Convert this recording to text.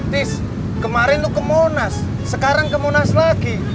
tis kemarin itu ke monas sekarang ke monas lagi